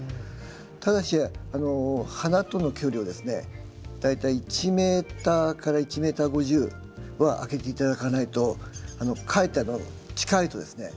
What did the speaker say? ただし花との距離をですね大体１ｍから１ｍ５０は空けて頂かないとかえって近いとですね